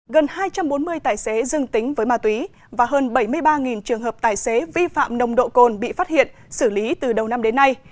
gần hai trăm bốn mươi tài xế dương tính với ma túy và hơn bảy mươi ba trường hợp tài xế vi phạm nồng độ cồn bị phát hiện xử lý từ đầu năm đến nay